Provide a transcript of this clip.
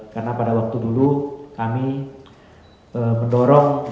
karena pada waktu dulu kami mendorong